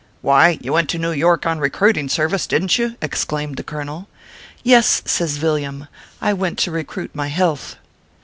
" Why, you went to New York on recruiting ser vice, didn t you ?" exclaimed the colonel. "Yes," says Villiam, "I went to recruit my health."